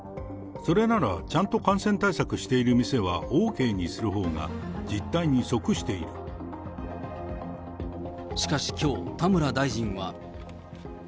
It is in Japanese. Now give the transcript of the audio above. それなら、ちゃんと感染対策している店はＯＫにするほうが、しかしきょう、田村大臣は。